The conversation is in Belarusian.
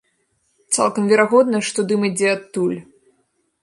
Цалкам верагодна, што дым ідзе адтуль.